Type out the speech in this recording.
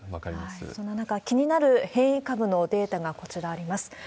そんな中、気になる変異株のデータがこちら、あります。